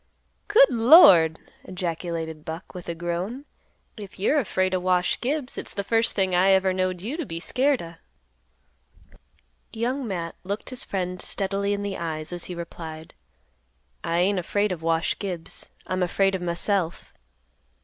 "Good Lord!" ejaculated Buck, with a groan. "If you're afraid o' Wash Gibbs, it's th' first thing I ever knowed you t' be scared o'." Young Matt looked his friend steadily in the eyes, as he replied; "I ain't afraid of Wash Gibbs; I'm afraid of myself.